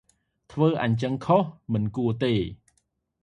ធ្វើអញ្ចឹងខុស មិនគួរទេ ។